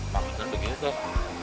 pak jangan begini teteh